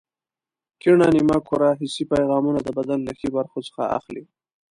کیڼه نیمه کره حسي پیغامونه د بدن له ښي برخو څخه اخلي.